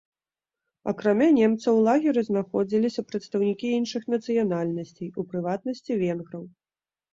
Акрамя немцаў у лагеры знаходзіліся прадстаўнікі іншых нацыянальнасцей, у прыватнасці венграў.